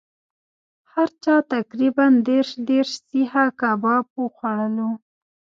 هر چا تقریبأ دېرش دېرش سیخه کباب وخوړلو.